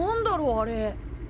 あれ。